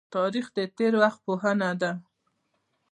تاریخ د تیر وخت پوهنه ده